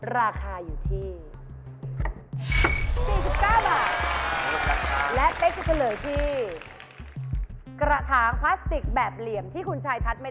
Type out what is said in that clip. ราคาอยู่ที่๔๙บาท